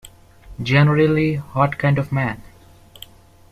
Generally, what kind of man?